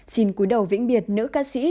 xin cúi đầu vĩnh biệt nữ ca sĩ